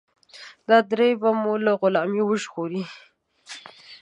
دا درې به مو له غلامۍ وژغوري.